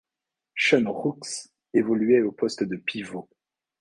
Sean Rooks évoluait au poste de pivot.